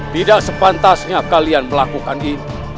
tidak sepantasnya kalian melakukan ini